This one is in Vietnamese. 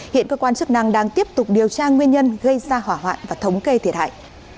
hiện cơ quan chức năng đang tiếp tục điều tra nguyên nhân gây ra hỏa hoạn và thống kê thiệt hại